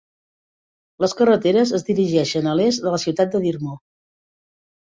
Les carreteres es dirigeixen a l"est de la ciutat de d'Irmo.